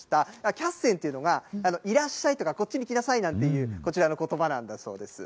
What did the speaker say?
キャッセンっていうのが、いらっしゃいとか、こっちに来なさいなんていう、こちらのことばなんだそうです。